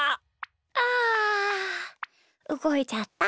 あうごいちゃった。